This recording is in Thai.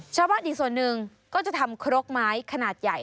ชาวบ้านอีกส่วนหนึ่งก็จะทำครกไม้ขนาดใหญ่